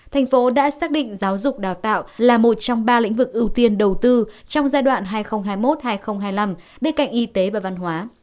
thành phố đã xác định giáo dục đào tạo là một trong ba lĩnh vực ưu tiên đầu tư trong giai đoạn hai nghìn hai mươi